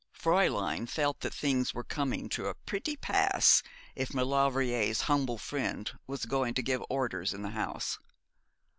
Fräulein felt that things were coming to a pretty pass, if Maulevrier's humble friend was going to give orders in the house.